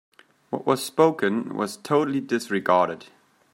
What was spoken was totally disregarded.